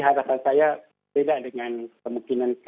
harapan saya beda dengan kemungkinan